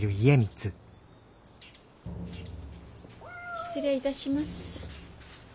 失礼いたします。